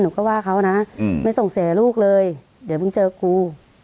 หนูก็ว่าเขานะไม่ส่งเสียลูกเลยเดี๋ยวมึงเจอกู